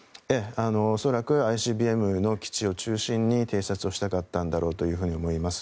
恐らくＩＣＢＭの基地を中心に偵察をしたかったんだろうと思います。